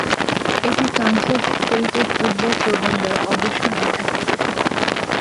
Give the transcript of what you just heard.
এটি কানসাস স্টেটের football program দ্বারা অবসর নেওয়া একমাত্র সংখ্যা।